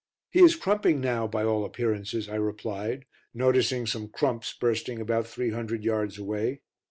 "He is crumping now by all appearances," I replied, noticing some crumps bursting about three hundred yards away.